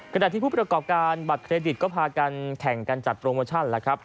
ขณะที่ผู้ประกอบการบัตรเครดิตก็พากันแข่งกันจัดโปรโมชั่นแล้วครับ